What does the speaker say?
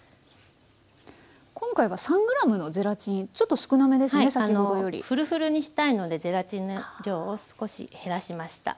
今回は３ｇのゼラチンちょっと少なめですね先ほどより。フルフルにしたいのでゼラチンの量を少し減らしました。